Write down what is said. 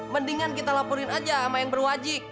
mendingan kita laporin aja sama yang berwajib